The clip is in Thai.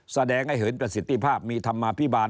แสดงให้เห็นประสิทธิภาพมีธรรมาภิบาล